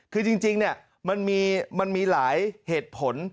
คือจริงมันมีหลายเหตุผล